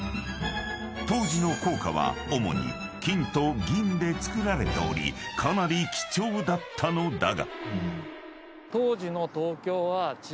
［当時の硬貨は主に金と銀で造られておりかなり貴重だったのだが］